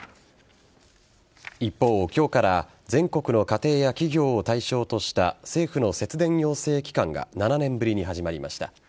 一方、今日から全国の家庭や企業を対象とした政府の節電要請期間が７年ぶりに始まりました。